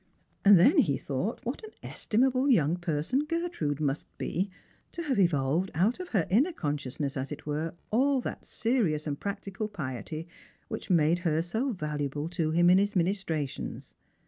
And then he thought what an estimable young person Gertrude must be to have evolved out of her inner conscious ness, as it were, all that serious and practical piety which made her so valuable to him in his ministrations.